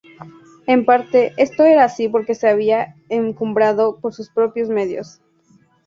En parte, esto era así porque se había encumbrado por sus propios medios.